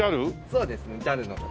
そうですねＪＡＬの。